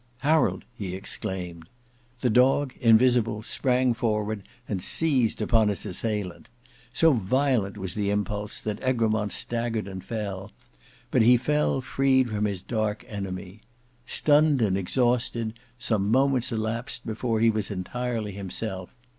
"Harold!" he exclaimed. The dog, invisible, sprang forward and seized upon his assailant. So violent was the impulse that Egremont staggered and fell, but he fell freed from his dark enemy. Stunned and exhausted, some moments elapsed before he was entirely himself.